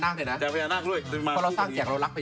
พรุ่งนี้กลับมาเจอกับพวกเรานะคะ